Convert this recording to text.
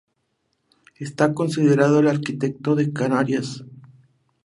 Está considerado el mejor arquitecto de Canarias.